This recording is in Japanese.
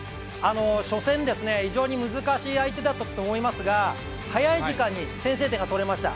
初戦、非常に難しい相手だったと思いますが早い時間に先制点が取れました。